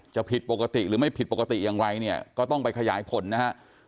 ผิดปกติหรือไม่ผิดปกติอย่างไรเนี่ยก็ต้องไปขยายผลนะฮะ